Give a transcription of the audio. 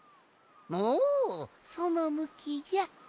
おそのむきじゃ。